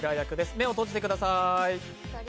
目を閉じてください。